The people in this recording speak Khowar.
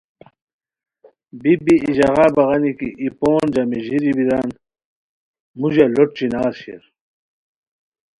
بی بی ای ژاغا بغانی کی ای پون جامیژیری بیران، موژا لوٹ چِنار شیر